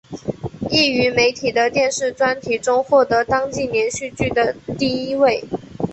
亦于媒体的电视专题中获得当季连续剧第一位。